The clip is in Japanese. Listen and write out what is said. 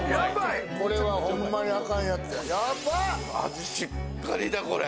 味しっかりだ、これ。